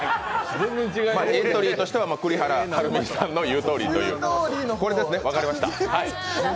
エントリーとしては「栗原はるみさんの言うとおり」分かりました。